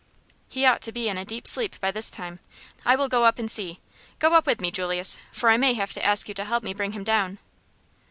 "He ought to be in a deep sleep by this time. I will go up and see. Go up with me, Julius, for I may have to ask you to help me bring him down."